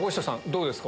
どうですか？